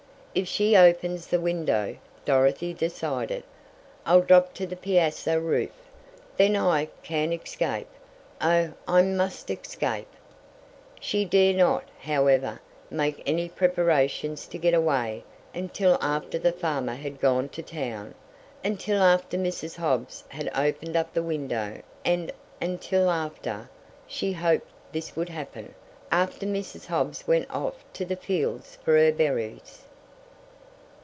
"If she opens the window," Dorothy decided, "I'll drop to the piazza roof! Then I can escape! Oh, I must escape!" She dare not, however, make any preparations to get away until after the farmer had gone to town; until after Mrs. Hobbs had opened the window and until after she hoped this would happen after Mrs. Hobbs went off to the fields for her berries.